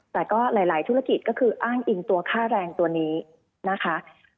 แต่ก็หลายธุรกิจก็คืออ้างอิงตัวค่าแรงตัวนี้นะคะ